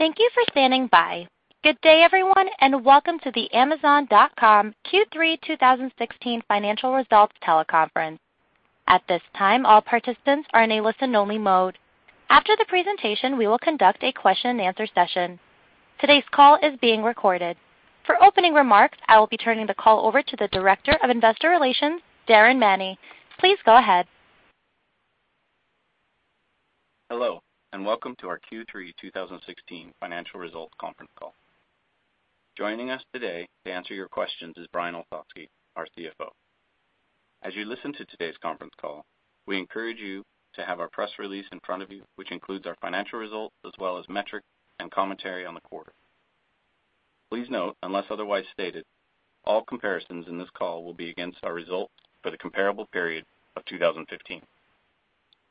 Thank you for standing by. Good day, everyone, and welcome to the Amazon.com Q3 2016 Financial Results teleconference. At this time, all participants are in a listen-only mode. After the presentation, we will conduct a question and answer session. Today's call is being recorded. For opening remarks, I will be turning the call over to the Director of Investor Relations, Darin Manney. Please go ahead. Hello, welcome to our Q3 2016 financial results conference call. Joining us today to answer your questions is Brian Olsavsky, our CFO. As you listen to today's conference call, we encourage you to have our press release in front of you, which includes our financial results, as well as metrics and commentary on the quarter. Please note, unless otherwise stated, all comparisons in this call will be against our results for the comparable period of 2015.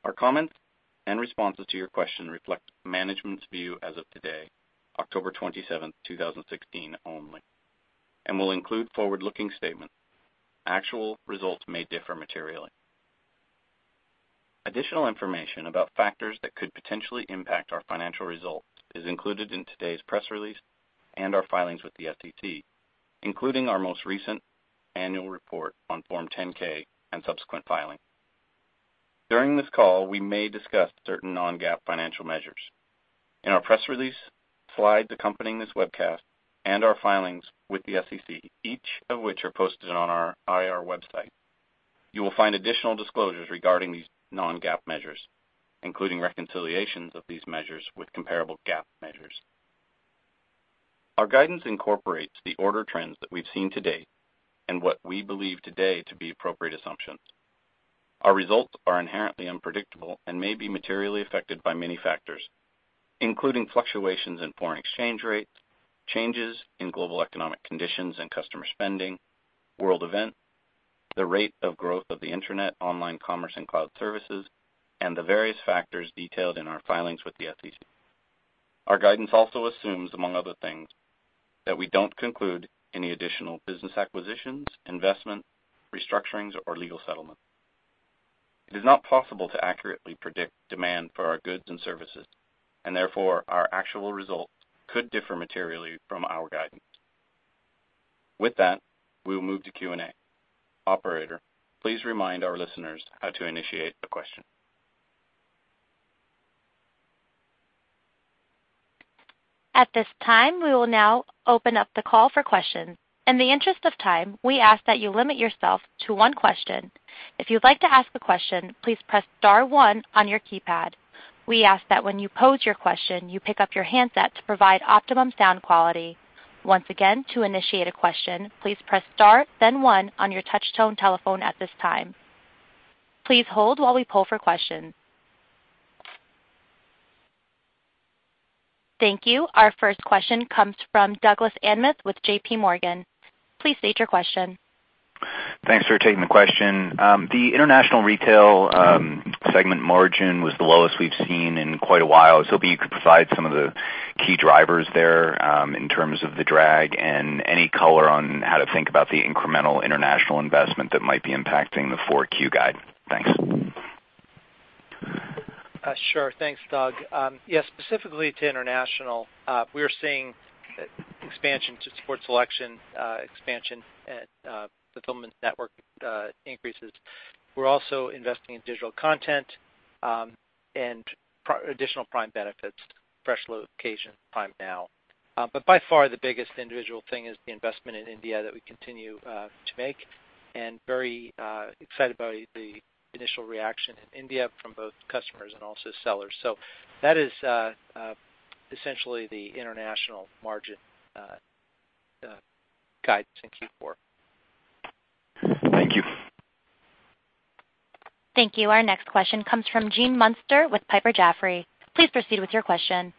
Our comments and responses to your question reflect management's view as of today, October 27th, 2016, only, will include forward-looking statements. Actual results may differ materially. Additional information about factors that could potentially impact our financial results is included in today's press release and our filings with the SEC, including our most recent annual report on Form 10-K and subsequent filings. During this call, we may discuss certain non-GAAP financial measures. In our press release, slides accompanying this webcast, our filings with the SEC, each of which are posted on our IR website, you will find additional disclosures regarding these non-GAAP measures, including reconciliations of these measures with comparable GAAP measures. Our guidance incorporates the order trends that we've seen to date and what we believe today to be appropriate assumptions. Our results are inherently unpredictable and may be materially affected by many factors, including fluctuations in foreign exchange rates, changes in global economic conditions and customer spending, world events, the rate of growth of the Internet, online commerce, cloud services, the various factors detailed in our filings with the SEC. Our guidance also assumes, among other things, that we don't conclude any additional business acquisitions, investment, restructurings, or legal settlements. It is not possible to accurately predict demand for our goods and services, therefore our actual results could differ materially from our guidance. With that, we will move to Q&A. Operator, please remind our listeners how to initiate a question. At this time, we will now open up the call for questions. In the interest of time, we ask that you limit yourself to one question. If you'd like to ask a question, please press star one on your keypad. We ask that when you pose your question, you pick up your handset to provide optimum sound quality. Once again, to initiate a question, please press star then one on your touch tone telephone at this time. Please hold while we poll for questions. Thank you. Our first question comes from Douglas Anmuth with JPMorgan. Please state your question. Thanks for taking the question. The international retail segment margin was the lowest we've seen in quite a while. If you could provide some of the key drivers there, in terms of the drag, and any color on how to think about the incremental international investment that might be impacting the 4Q guide. Thanks. Sure. Thanks, Doug. Yes, specifically to international, we are seeing expansion to support selection, expansion at fulfillment network increases. We're also investing in digital content, and additional Prime benefits, Amazon Fresh location, Prime Now. By far, the biggest individual thing is the investment in India that we continue to make, and very excited about the initial reaction in India from both customers and also sellers. That is essentially the international margin guidance in Q4. Thank you. Thank you. Our next question comes from Gene Munster with Piper Jaffray. Please proceed with your question.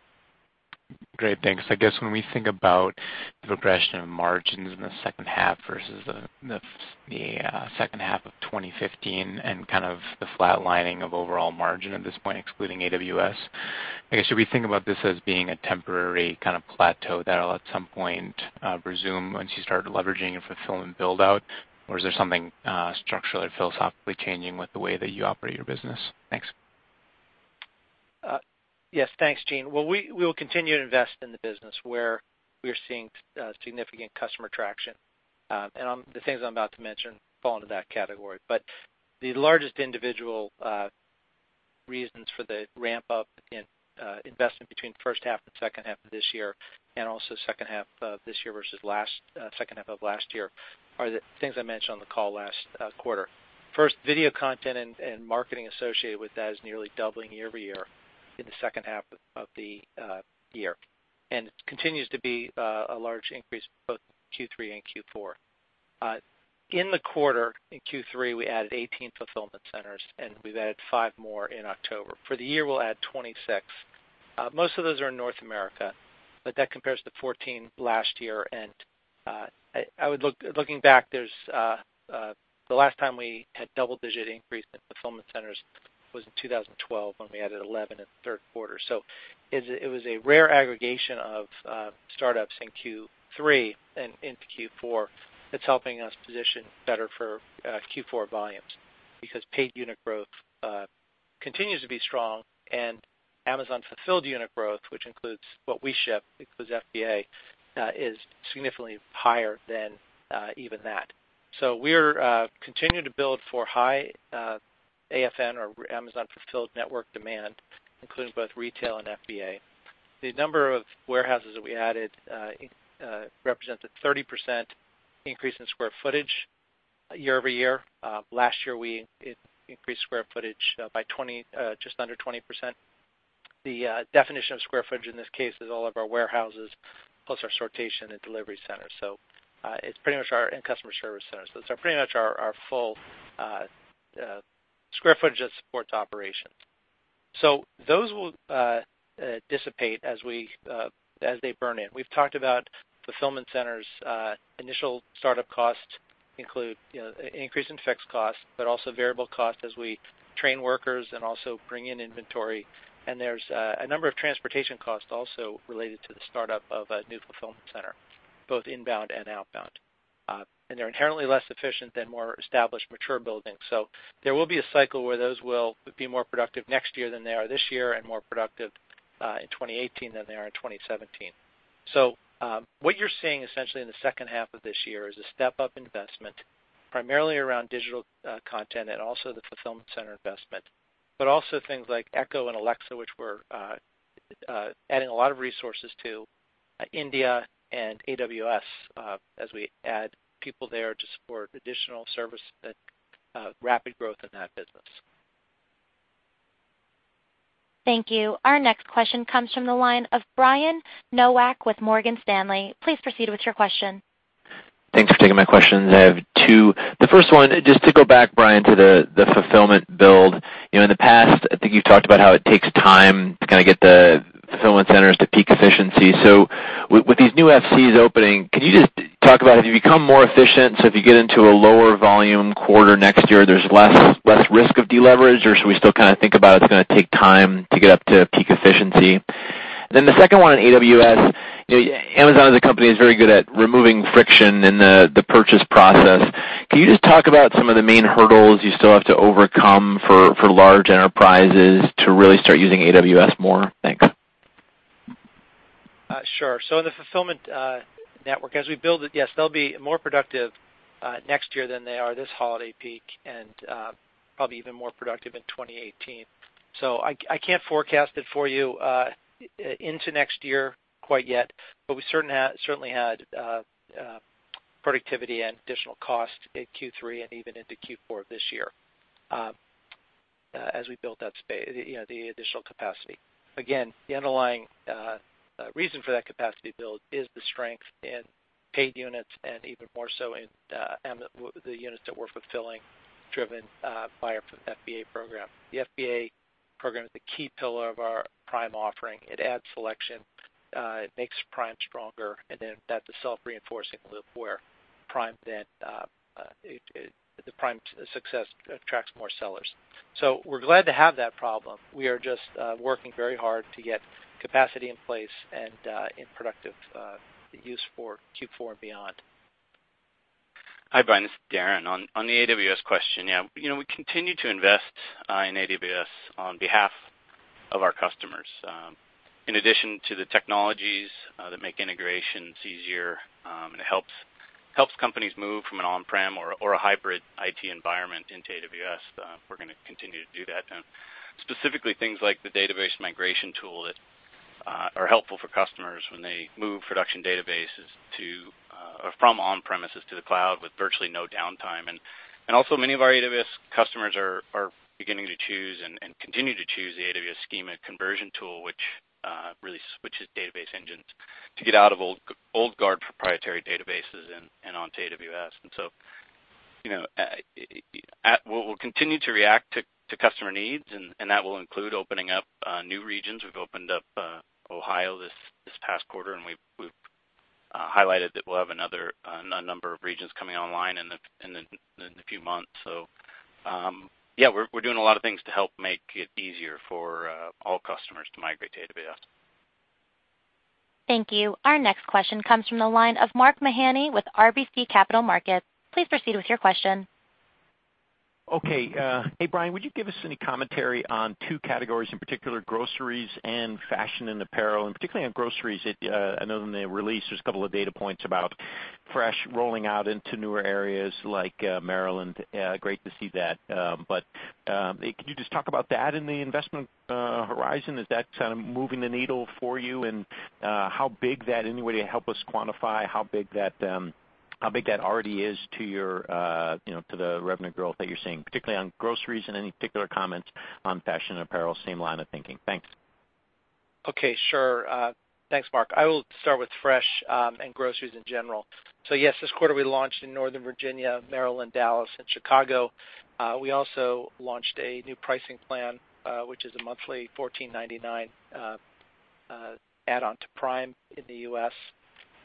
Great. Thanks. I guess when we think about the progression of margins in the second half versus the second half of 2015, and kind of the flatlining of overall margin at this point, excluding AWS, I guess, should we think about this as being a temporary kind of plateau that'll at some point resume once you start leveraging a fulfillment build-out, or is there something structurally or philosophically changing with the way that you operate your business? Thanks. Yes. Thanks, Gene. Well, we will continue to invest in the business where we are seeing significant customer traction. The things I'm about to mention fall into that category. The largest individual reasons for the ramp-up in investment between the first half and second half of this year, also second half of this year versus second half of last year, are the things I mentioned on the call last quarter. First, video content and marketing associated with that is nearly doubling year-over-year in the second half of the year, and continues to be a large increase in both Q3 and Q4. In the quarter, in Q3, we added 18 fulfillment centers, and we've added five more in October. For the year, we'll add 26. Most of those are in North America, that compares to 14 last year, and looking back, the last time we had double-digit increase in fulfillment centers was in 2012 when we added 11 in the third quarter. It was a rare aggregation of startups in Q3 and into Q4 that's helping us position better for Q4 volumes, because paid unit growth continues to be strong and Amazon fulfilled unit growth, which includes what we ship, includes FBA, is significantly higher than even that. We're continuing to build for high AFN or Amazon Fulfillment Network demand, including both retail and FBA. The number of warehouses that we added represented a 30% increase in square footage year-over-year. Last year, we increased square footage by just under 20%. The definition of square footage in this case is all of our warehouses plus our sortation and delivery centers, and customer service centers. It's pretty much our full square footage that supports operations. Those will dissipate as they burn in. We've talked about fulfillment centers, initial startup costs include increase in fixed costs, but also variable costs as we train workers and also bring in inventory. There's a number of transportation costs also related to the startup of a new fulfillment center, both inbound and outbound. They're inherently less efficient than more established, mature buildings. There will be a cycle where those will be more productive next year than they are this year and more productive in 2018 than they are in 2017. What you're seeing essentially in the second half of this year is a step-up investment, primarily around digital content also the fulfillment center investment, but also things like Echo and Alexa, which we're adding a lot of resources to India and AWS as we add people there to support additional service, that rapid growth in that business. Thank you. Our next question comes from the line of Brian Nowak with Morgan Stanley. Please proceed with your question. Thanks for taking my questions. I have two. The first one, just to go back, Brian, to the fulfillment build. In the past, I think you've talked about how it takes time to get the fulfillment centers to peak efficiency. With these new FCs opening, can you just talk about have you become more efficient? If you get into a lower volume quarter next year, there's less risk of deleverage, or should we still think about it's going to take time to get up to peak efficiency? The second one on AWS. Amazon as a company is very good at removing friction in the purchase process. Can you just talk about some of the main hurdles you still have to overcome for large enterprises to really start using AWS more? Thanks. Sure. The fulfillment network, as we build it, yes, they'll be more productive next year than they are this holiday peak, and probably even more productive in 2018. I can't forecast it for you into next year quite yet, but we certainly had productivity and additional cost in Q3 and even into Q4 of this year as we built the additional capacity. Again, the underlying reason for that capacity build is the strength in paid units, and even more so in the units that we're fulfilling driven by our FBA program. The FBA program is the key pillar of our Prime offering. It adds selection, it makes Prime stronger, and then that's a self-reinforcing loop where the Prime success attracts more sellers. We're glad to have that problem. We are just working very hard to get capacity in place and in productive use for Q4 and beyond. Hi, Brian, this is Darin. On the AWS question, we continue to invest in AWS on behalf of our customers. In addition to the technologies that make integrations easier, it helps companies move from an on-prem or a hybrid IT environment into AWS. We're going to continue to do that, and specifically things like the database migration tool that are helpful for customers when they move production databases from on-premises to the cloud with virtually no downtime. Many of our AWS customers are beginning to choose and continue to choose the AWS Schema Conversion Tool, which really switches database engines to get out of old guard proprietary databases and onto AWS. We'll continue to react to customer needs, and that will include opening up new regions. We've opened up Ohio this past quarter, and we've highlighted that we'll have another number of regions coming online in a few months. Yeah, we're doing a lot of things to help make it easier for all customers to migrate to AWS. Thank you. Our next question comes from the line of Mark Mahaney with RBC Capital Markets. Please proceed with your question. Okay. Hey, Brian, would you give us any commentary on two categories, in particular, groceries and fashion and apparel, and particularly on groceries? I know in the release, there's a couple of data points about Amazon Fresh rolling out into newer areas like Maryland. Great to see that. Could you just talk about that in the investment horizon? Is that kind of moving the needle for you? How big that, anybody help us quantify how big that already is to the revenue growth that you're seeing, particularly on groceries, and any particular comments on fashion and apparel, same line of thinking. Thanks. Okay, sure. Thanks, Mark. I will start with Amazon Fresh, and groceries in general. Yes, this quarter we launched in Northern Virginia, Maryland, Dallas, and Chicago. We also launched a new pricing plan, which is a monthly $14.99 add-on to Prime in the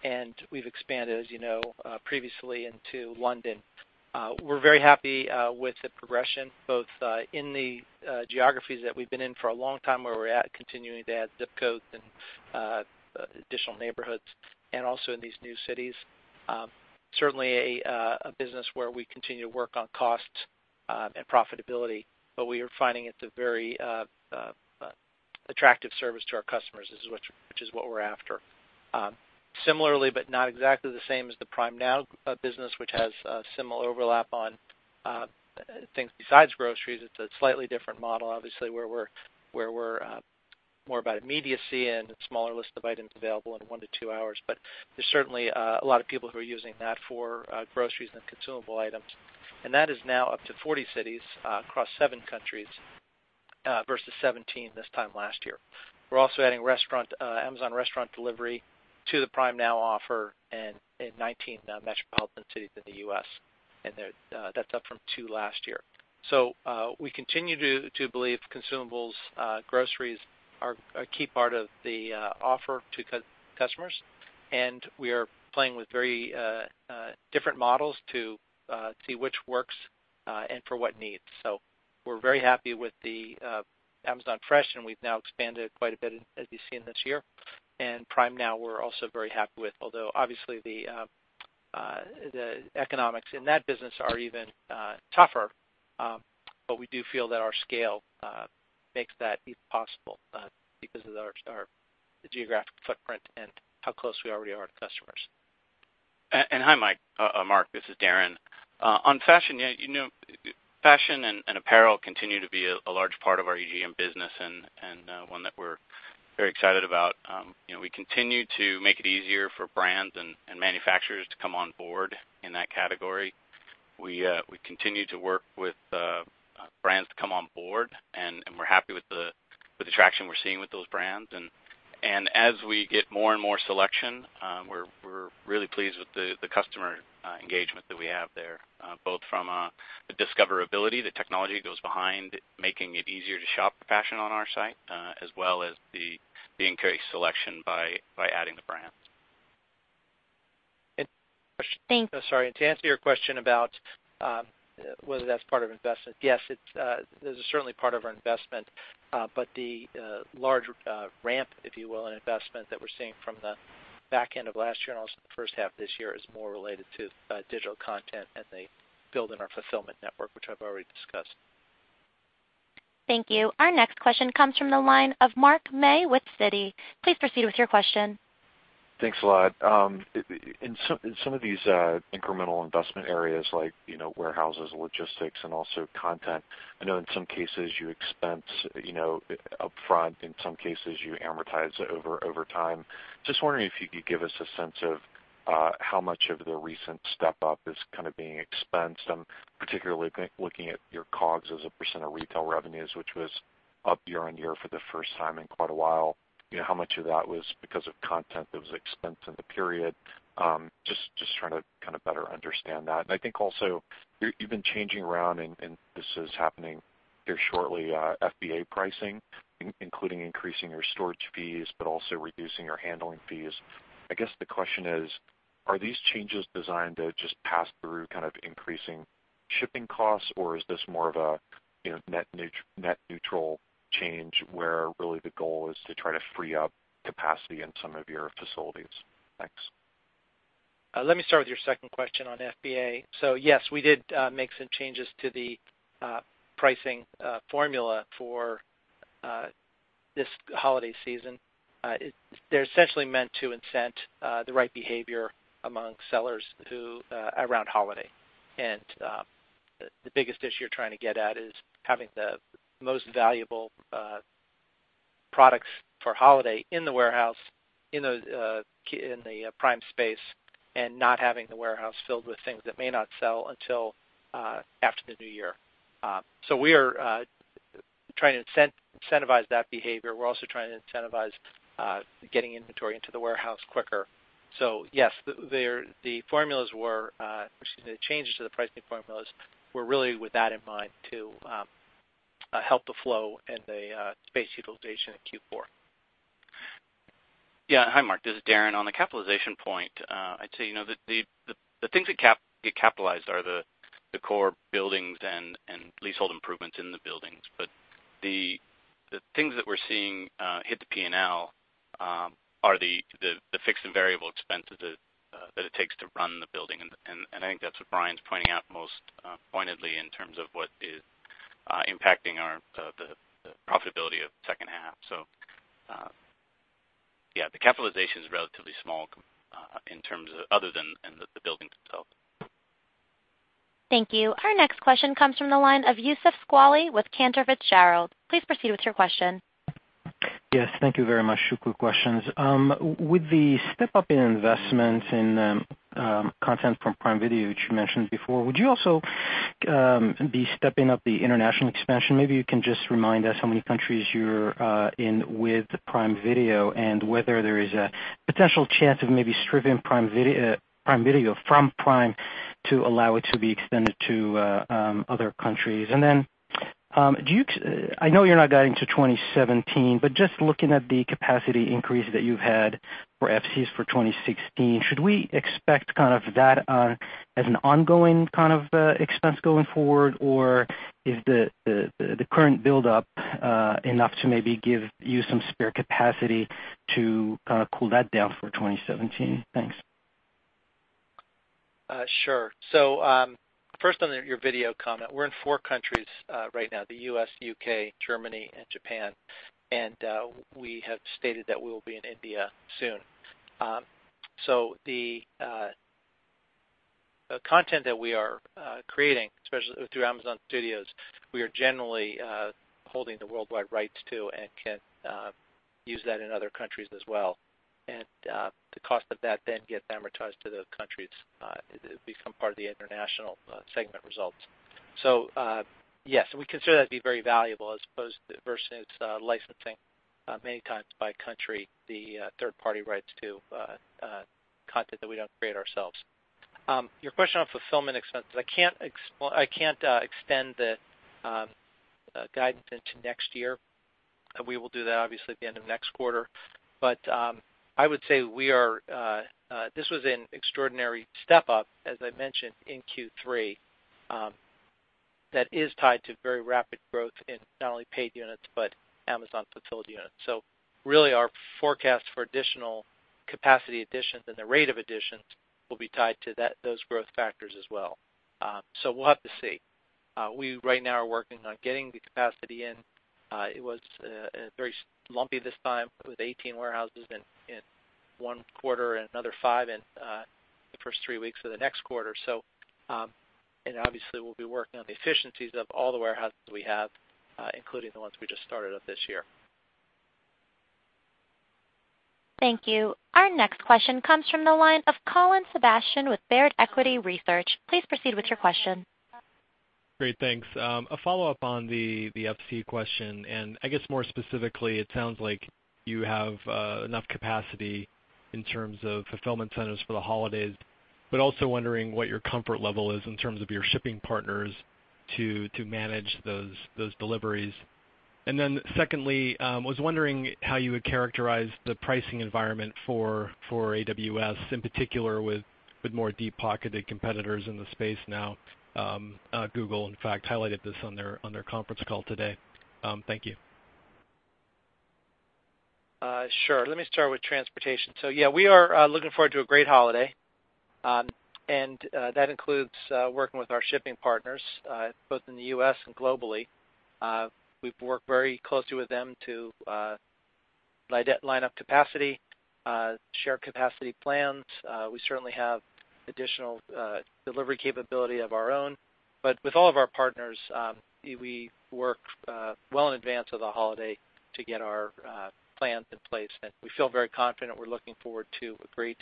U.S. We've expanded, as you know, previously into London. We're very happy with the progression, both in the geographies that we've been in for a long time, where we're at continuing to add ZIP codes and additional neighborhoods, and also in these new cities. Certainly a business where we continue to work on costs and profitability, but we are finding it a very attractive service to our customers, which is what we're after. Similarly, but not exactly the same as the Prime Now business, which has a similar overlap on things besides groceries. It's a slightly different model, obviously, where we're more about immediacy and a smaller list of items available in one to two hours. There's certainly a lot of people who are using that for groceries and consumable items. That is now up to 40 cities across seven countries versus 17 this time last year. We're also adding Amazon Restaurants delivery to the Prime Now offer in 19 metropolitan cities in the U.S., and that's up from two last year. We continue to believe consumables, groceries are a key part of the offer to customers, and we are playing with very different models to see which works and for what needs. We're very happy with the Amazon Fresh, and we've now expanded quite a bit, as you've seen this year. Prime Now we're also very happy with, although obviously the economics in that business are even tougher. We do feel that our scale makes that possible because of the geographic footprint and how close we already are to customers. Hi, Mark, this is Darin. On fashion and apparel continue to be a large part of our EGM business and one that we're very excited about. We continue to make it easier for brands and manufacturers to come on board in that category. We continue to work with brands to come on board, and we're happy with the traction we're seeing with those brands. As we get more and more selection, we're really pleased with the customer engagement that we have there, both from the discoverability, the technology that goes behind making it easier to shop for fashion on our site, as well as the increased selection by adding the brands. To answer your question about whether that's part of investment, yes, it is certainly part of our investment. The large ramp, if you will, in investment that we're seeing from the back end of last year and also the first half of this year is more related to digital content and the build in our fulfillment network, which I've already discussed. Thank you. Our next question comes from the line of Mark May with Citi. Please proceed with your question. Thanks a lot. In some of these incremental investment areas like warehouses, logistics, and also content, I know in some cases you expense upfront, in some cases you amortize over time. Just wondering if you could give us a sense of how much of the recent step-up is being expensed. I'm particularly looking at your COGS as a % of retail revenues, which was up year-on-year for the first time in quite a while. How much of that was because of content that was expensed in the period? Just trying to better understand that. I think also you've been changing around, and this is happening here shortly, FBA pricing, including increasing your storage fees, but also reducing your handling fees. I guess the question is, are these changes designed to just pass through increasing shipping costs, or is this more of a net neutral change where really the goal is to try to free up capacity in some of your facilities? Thanks. Let me start with your second question on FBA. Yes, we did make some changes to the pricing formula for this holiday season. They're essentially meant to incent the right behavior among sellers around holiday. The biggest issue you're trying to get at is having the most valuable products for holiday in the warehouse, in the Prime space, and not having the warehouse filled with things that may not sell until after the new year. We are trying to incentivize that behavior. We're also trying to incentivize getting inventory into the warehouse quicker. Yes, the changes to the pricing formulas were really with that in mind to help the flow and the space utilization in Q4. Yeah. Hi, Mark, this is Darin. On the capitalization point, I'd say the things that get capitalized are the core buildings and leasehold improvements in the buildings. The things that we're seeing hit the P&L are the fixed and variable expenses that it takes to run the building, and I think that's what Brian's pointing out most pointedly in terms of what is impacting the profitability of the second half. Yeah, the capitalization is relatively small other than the building itself. Thank you. Our next question comes from the line of Youssef Squali with Cantor Fitzgerald. Please proceed with your question. Yes. Thank you very much. Two quick questions. With the step-up in investments in content from Prime Video, which you mentioned before, would you also be stepping up the international expansion? Maybe you can just remind us how many countries you're in with Prime Video, and whether there is a potential chance of maybe stripping Prime Video from Prime to allow it to be extended to other countries. I know you're not guiding to 2017, but just looking at the capacity increase that you've had for FCs for 2016, should we expect that as an ongoing kind of expense going forward? Or is the current buildup enough to maybe give you some spare capacity to cool that down for 2017? Thanks. Sure. First on your video comment, we're in 4 countries right now, the U.S., U.K., Germany, and Japan, and we have stated that we will be in India soon. The content that we are creating, especially through Amazon Studios, we are generally holding the worldwide rights to and can use that in other countries as well. The cost of that then gets amortized to those countries, become part of the international segment results. Yes, we consider that to be very valuable as opposed versus licensing many times by country, the third-party rights to content that we don't create ourselves. Your question on fulfillment expenses, I can't extend the guidance into next year. We will do that obviously at the end of next quarter. I would say this was an extraordinary step-up, as I mentioned, in Q3 that is tied to very rapid growth in not only paid units, but Amazon fulfilled units. Really our forecast for additional capacity additions and the rate of additions will be tied to those growth factors as well. We'll have to see. We right now are working on getting the capacity in. It was very lumpy this time with 18 warehouses in one quarter and another five in the first three weeks of the next quarter. Obviously we'll be working on the efficiencies of all the warehouses we have, including the ones we just started up this year. Thank you. Our next question comes from the line of Colin Sebastian with Baird Equity Research. Please proceed with your question. Great. Thanks. A follow-up on the FC question, I guess more specifically, it sounds like you have enough capacity in terms of fulfillment centers for the holidays, also wondering what your comfort level is in terms of your shipping partners to manage those deliveries. Secondly, I was wondering how you would characterize the pricing environment for AWS, in particular with more deep-pocketed competitors in the space now. Google, in fact, highlighted this on their conference call today. Thank you. Sure. Let me start with transportation. Yeah, we are looking forward to a great holiday, that includes working with our shipping partners both in the U.S. and globally. We've worked very closely with them to line up capacity, share capacity plans. We certainly have additional delivery capability of our own. With all of our partners, we work well in advance of the holiday to get our plans in place, we feel very confident we're looking forward to a great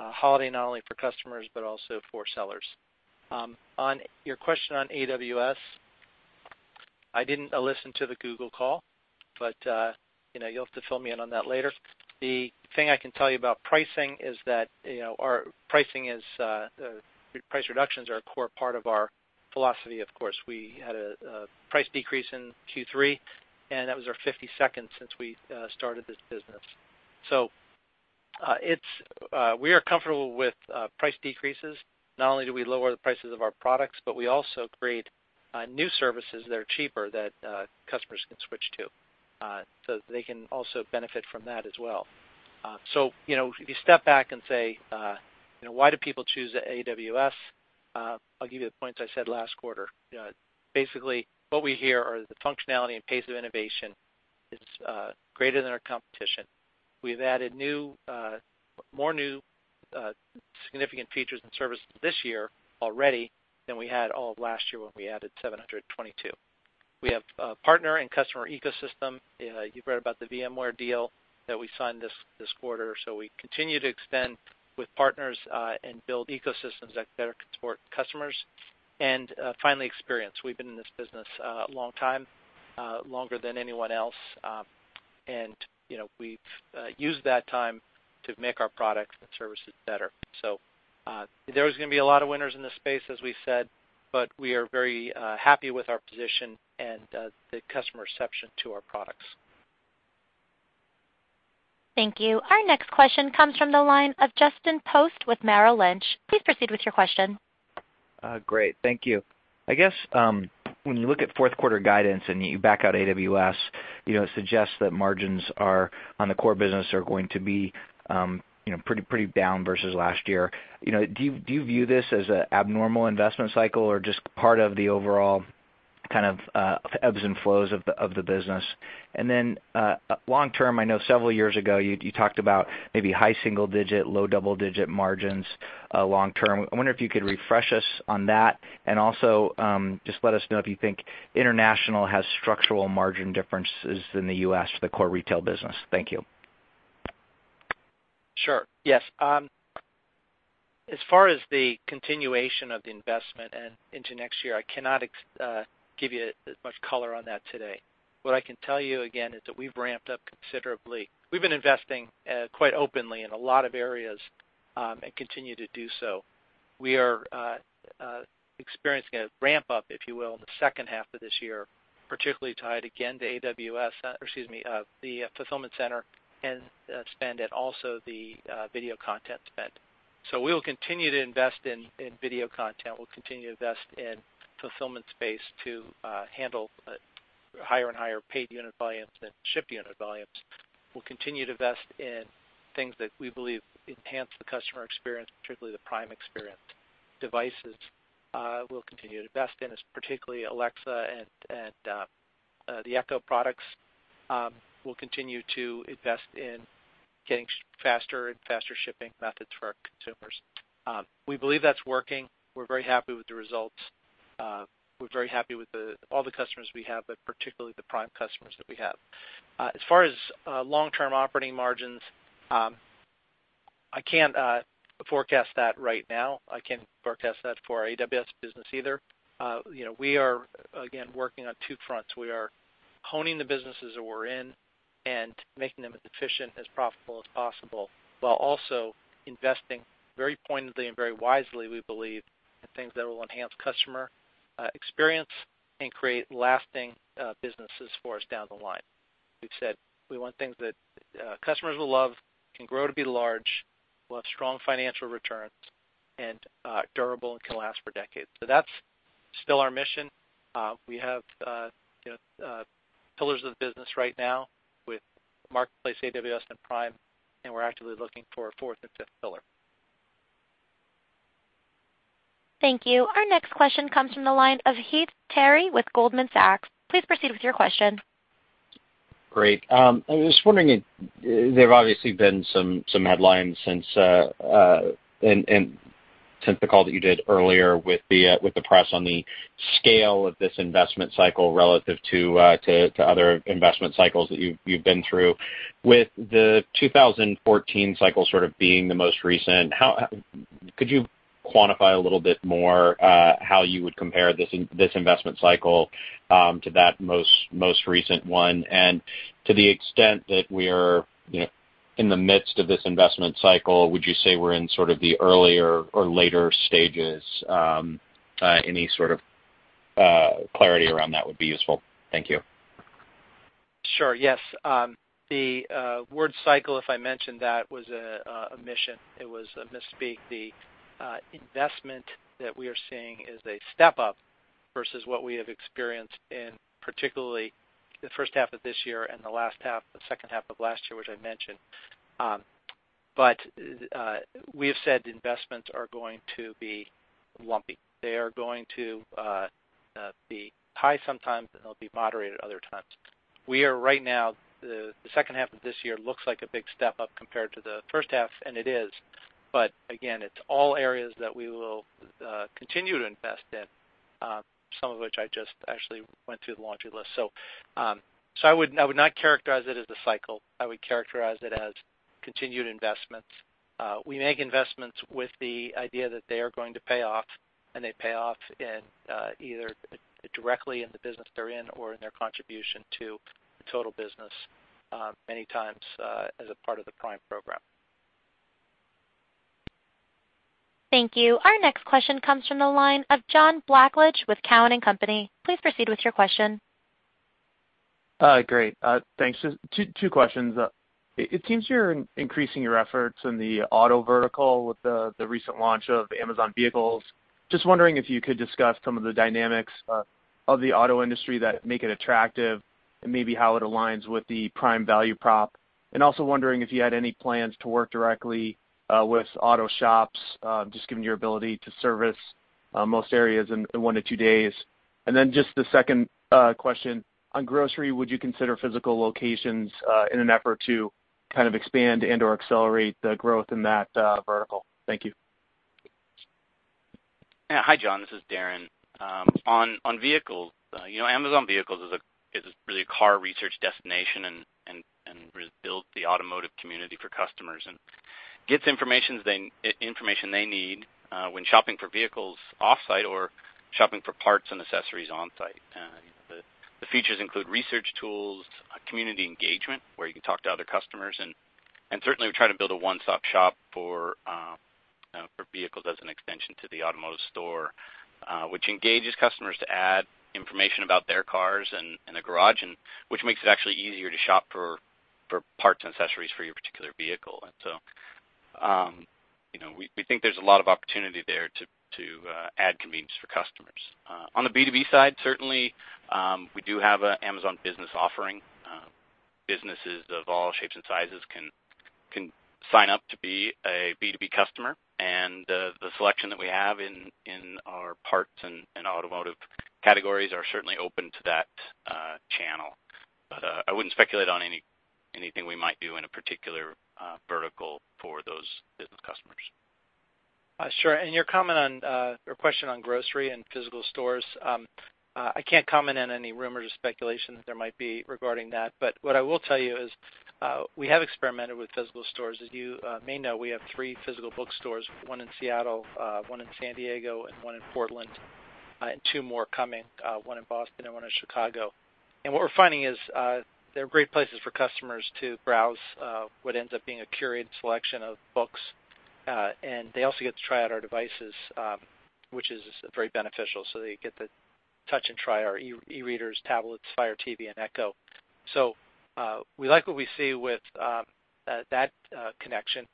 holiday, not only for customers, but also for sellers. On your question on AWS, I didn't listen to the Google call, you'll have to fill me in on that later. The thing I can tell you about pricing is that price reductions are a core part of our philosophy, of course. We had a price decrease in Q3, that was our 52nd since we started this business. We are comfortable with price decreases. Not only do we lower the prices of our products, we also create new services that are cheaper that customers can switch to. They can also benefit from that as well. If you step back and say why do people choose AWS? I'll give you the points I said last quarter. Basically, what we hear are the functionality and pace of innovation is greater than our competition. We've added more new significant features and services this year already than we had all of last year when we added 722. We have a partner and customer ecosystem. You've read about the VMware deal that we signed this quarter. We continue to expand with partners and build ecosystems that better support customers. Finally, experience. We've been in this business a long time, longer than anyone else, we've used that time to make our products and services better. There is going to be a lot of winners in this space, as we said, we are very happy with our position and the customer reception to our products. Thank you. Our next question comes from the line of Justin Post with Merrill Lynch. Please proceed with your question. Great. Thank you. I guess when you look at fourth quarter guidance and you back out AWS, it suggests that margins on the core business are going to be pretty down versus last year. Do you view this as an abnormal investment cycle or just part of the overall kind of ebbs and flows of the business? Long-term, I know several years ago you talked about maybe high single-digit, low double-digit margins long-term. I wonder if you could refresh us on that, and also just let us know if you think international has structural margin differences in the U.S. for the core retail business. Thank you. Sure. Yes. As far as the continuation of the investment into next year, I cannot give you much color on that today. What I can tell you again is that we've ramped up considerably. We've been investing quite openly in a lot of areas, and continue to do so. We are experiencing a ramp-up, if you will, in the second half of this year, particularly tied again to the fulfillment center and spend, and also the video content spend. We will continue to invest in video content. We'll continue to invest in fulfillment space to handle higher and higher paid unit volumes and shipped unit volumes. We'll continue to invest in things that we believe enhance the customer experience, particularly the Prime experience. Devices we'll continue to invest in, particularly Alexa and the Echo products. We'll continue to invest in getting faster and faster shipping methods for our consumers. We believe that's working. We're very happy with the results. We're very happy with all the customers we have, but particularly the Prime customers that we have. As far as long-term operating margins, I can't forecast that right now. I can't forecast that for our AWS business either. We are, again, working on two fronts. We are honing the businesses that we're in and making them as efficient, as profitable as possible, while also investing very pointedly and very wisely, we believe, in things that will enhance customer experience and create lasting businesses for us down the line. We've said we want things that customers will love, can grow to be large, will have strong financial returns, and durable and can last for decades. That's still our mission. We have pillars of the business right now with Marketplace, AWS, and Prime. We're actively looking for a fourth and fifth pillar. Thank you. Our next question comes from the line of Heath Terry with Goldman Sachs. Please proceed with your question. Great. I was just wondering, there have obviously been some headlines since the call that you did earlier with the press on the scale of this investment cycle relative to other investment cycles that you've been through. With the 2014 cycle sort of being the most recent, could you quantify a little bit more how you would compare this investment cycle to that most recent one? To the extent that we are in the midst of this investment cycle, would you say we're in sort of the earlier or later stages? Any sort of clarity around that would be useful. Thank you. Sure, yes. The word cycle, if I mentioned that, was a mission. It was a misspeak. The investment that we are seeing is a step-up versus what we have experienced in particularly the first half of this year and the second half of last year, which I mentioned. We have said investments are going to be lumpy. They are going to be high sometimes, and they'll be moderate at other times. We are right now, the second half of this year looks like a big step-up compared to the first half, and it is. Again, it's all areas that we will continue to invest in, some of which I just actually went through the laundry list. I would not characterize it as a cycle. I would characterize it as continued investments. We make investments with the idea that they are going to pay off, and they pay off either directly in the business they're in or in their contribution to the total business, many times as a part of the Prime program. Thank you. Our next question comes from the line of John Blackledge with Cowen and Company. Please proceed with your question. Great. Thanks. Two questions. It seems you're increasing your efforts in the auto vertical with the recent launch of Amazon Vehicles. Also wondering if you could discuss some of the dynamics of the auto industry that make it attractive, and maybe how it aligns with the Prime value prop. Then just the second question, on grocery, would you consider physical locations in an effort to kind of expand and/or accelerate the growth in that vertical? Thank you. Yeah. Hi, John. This is Darin. On vehicles, Amazon Vehicles is really a car research destination, and built the automotive community for customers, and gets information they need when shopping for vehicles off-site or shopping for parts and accessories on-site. The features include research tools, community engagement, where you can talk to other customers, and certainly we try to build a one-stop shop for vehicles as an extension to the automotive store, which engages customers to add information about their cars and a garage, which makes it actually easier to shop for parts and accessories for your particular vehicle. We think there's a lot of opportunity there to add convenience for customers. On the B2B side, certainly, we do have an Amazon Business offering. Businesses of all shapes and sizes can sign up to be a B2B customer. The selection that we have in our parts and automotive categories are certainly open to that channel. I wouldn't speculate on anything we might do in a particular vertical for those business customers. Sure. Your question on grocery and physical stores, I can't comment on any rumors or speculation that there might be regarding that. What I will tell you is we have experimented with physical stores. As you may know, we have three physical bookstores, one in Seattle, one in San Diego, and one in Portland. Two more coming, one in Boston and one in Chicago. What we're finding is they're great places for customers to browse what ends up being a curated selection of books. They also get to try out our devices, which is very beneficial. They get to touch and try our e-readers, tablets, Fire TV, and Echo. We like what we see with that connection.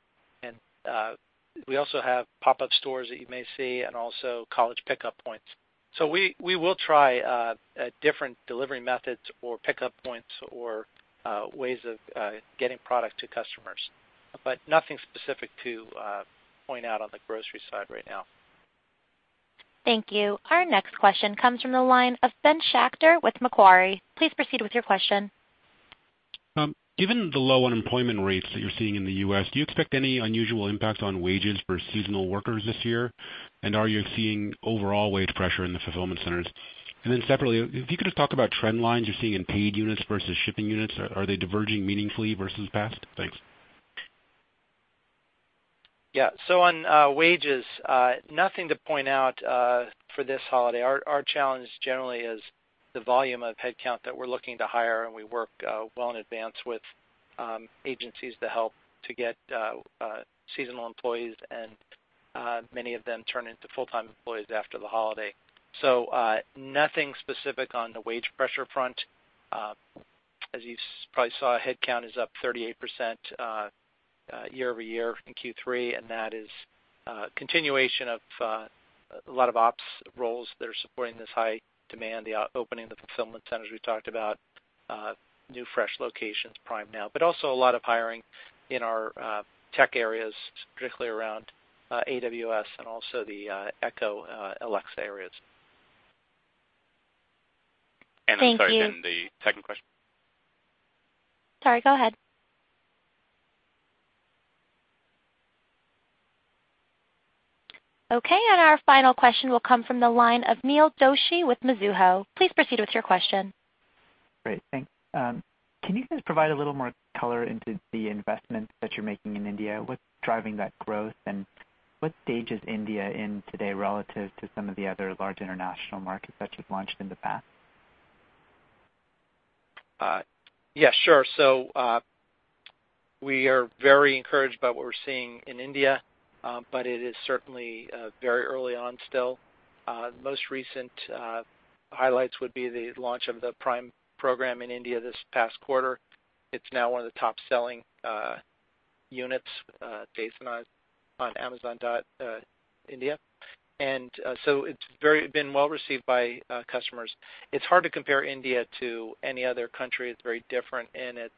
We also have pop-up stores that you may see and also college pickup points. We will try different delivery methods or pickup points or ways of getting product to customers, but nothing specific to point out on the grocery side right now. Thank you. Our next question comes from the line of Ben Schachter with Macquarie. Please proceed with your question. Given the low unemployment rates that you're seeing in the U.S., do you expect any unusual impact on wages for seasonal workers this year? Are you seeing overall wage pressure in the fulfillment centers? Separately, if you could just talk about trend lines you're seeing in paid units versus shipping units. Are they diverging meaningfully versus past? Thanks. Yeah. On wages, nothing to point out for this holiday. Our challenge generally is the volume of headcount that we're looking to hire, and we work well in advance with agencies to help to get seasonal employees, and many of them turn into full-time employees after the holiday. Nothing specific on the wage pressure front. As you probably saw, headcount is up 38% year-over-year in Q3, and that is a continuation of a lot of ops roles that are supporting this high demand, the opening of the fulfillment centers we talked about, new Amazon Fresh locations, Prime Now. Also a lot of hiring in our tech areas, particularly around AWS and also the Echo/Alexa areas. I'm sorry, the second question? Sorry, go ahead. Okay, our final question will come from the line of Neil Doshi with Mizuho. Please proceed with your question. Great. Thanks. Can you guys provide a little more color into the investments that you're making in India? What's driving that growth, and what stage is India in today relative to some of the other large international markets that you've launched in the past? Yeah, sure. We are very encouraged by what we're seeing in India, but it is certainly very early on still. Most recent highlights would be the launch of the Prime program in India this past quarter. It's now one of the top-selling units based on amazon.in. It's been well received by customers. It's hard to compare India to any other country. It's very different in its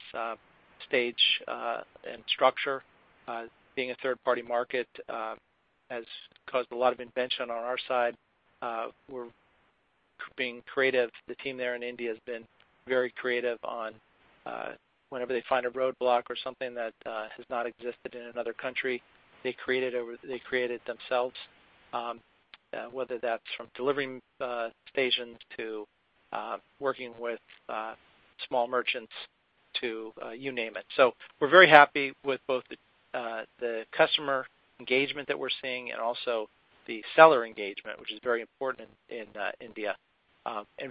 stage and structure. Being a third-party market has caused a lot of invention on our side. We're being creative. The team there in India has been very creative on whenever they find a roadblock or something that has not existed in another country, they create it themselves, whether that's from delivering stations to working with small merchants to you name it. We're very happy with both the customer engagement that we're seeing and also the seller engagement, which is very important in India.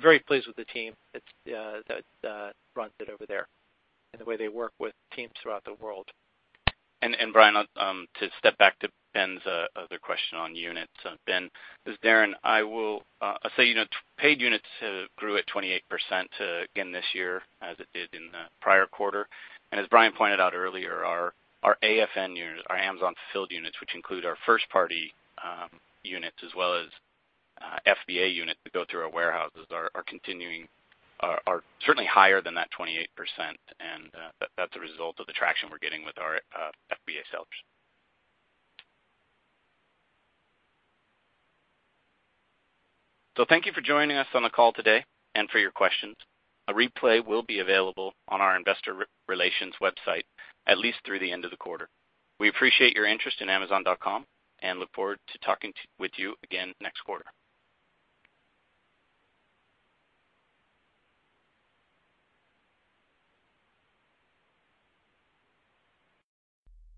Very pleased with the team that runs it over there and the way they work with teams throughout the world. Brian, to step back to Ben's other question on units. Ben, this is Darin. I will say paid units grew at 28% again this year, as it did in the prior quarter. As Brian pointed out earlier, our AFN units, our Amazon Fulfilled units, which include our first-party units as well as FBA units that go through our warehouses, are certainly higher than that 28%, and that's a result of the traction we're getting with our FBA sellers. Thank you for joining us on the call today and for your questions. A replay will be available on our investor relations website at least through the end of the quarter. We appreciate your interest in Amazon.com and look forward to talking with you again next quarter.